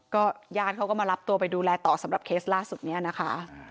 ญาติเขาก็มารับตัวไปดูแลต่อสำหรับเคสล่าสุดนี้นะคะ